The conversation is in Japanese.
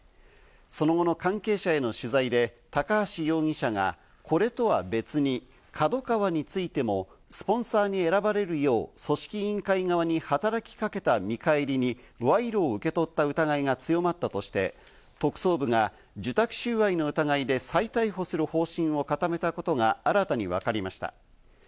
その後の関係者への取材で高橋容疑者がこれとは別にＫＡＤＯＫＡＷＡについてもスポンサーに選ばれるよう組織委員会側に働きかけた見返りに賄賂を受け取った疑いが強まったとして特捜部が受託収賄の疑いで再逮捕する方針を固めたことが新たにわかりました。